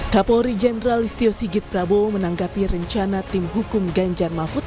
kapolri jenderal istio sigit prabowo menanggapi rencana tim hukum ganjar mahfud